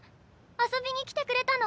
遊びに来てくれたの？